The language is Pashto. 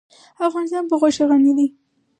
افغانستان په غوښې غني دی.